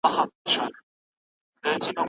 افغانان مېلمه پال او جنګیالي خلک دي.